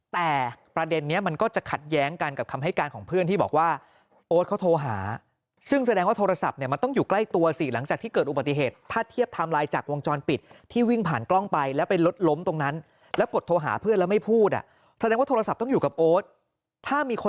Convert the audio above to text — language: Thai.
แต่ประเด็นนี้มันก็จะขัดแย้งกันกับคำให้การของเพื่อนที่บอกว่าโอ๊ตเขาโทรหาซึ่งแสดงว่าโทรศัพท์เนี่ยมันต้องอยู่ใกล้ตัวสิหลังจากที่เกิดอุบัติเหตุถ้าเทียบไทม์ไลน์จากวงจรปิดที่วิ่งผ่านกล้องไปแล้วไปรถล้มตรงนั้นแล้วกดโทรหาเพื่อนแล้วไม่พูดอ่ะแสดงว่าโทรศัพท์ต้องอยู่กับโอ๊ตถ้ามีคน